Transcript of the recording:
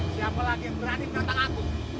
siapa lagi yang berani mendatang aku